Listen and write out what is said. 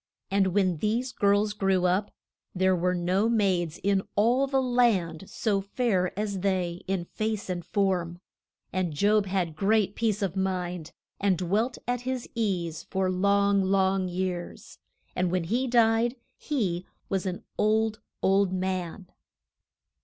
And when these girls grew up, there were no maids in all the land so fair as they in face and form. And Job had great peace of mind, and dwelt at his ease for long, long years; and when he died he was an old, old man.